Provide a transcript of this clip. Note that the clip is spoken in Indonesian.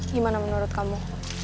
gimana menurut kamu